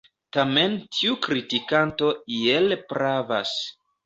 Tamen tiu kritikanto iel pravas.